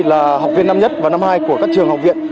là học viên năm nhất và năm hai của các trường học viện